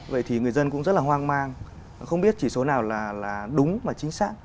vậy thì người dân cũng rất là hoang mang không biết chỉ số nào là đúng và chính xác